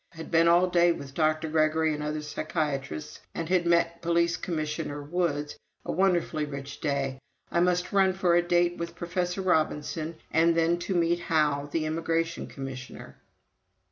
... Had been all day with Dr. Gregory and other psychiatrists and had met Police Commissioner Woods ... a wonderfully rich day. ... I must run for a date with Professor Robinson and then to meet Howe, the Immigration Commissioner."